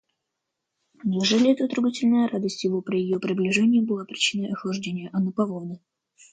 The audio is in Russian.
Неужели эта трогательная радость его при ее приближении была причиной охлаждения Анны Павловны?